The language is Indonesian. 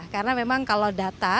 karena memang kalau data